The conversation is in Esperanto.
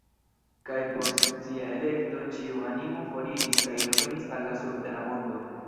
Kaj post sia elekto ĉiu animo foriris kaj revenis al la surtera mondo.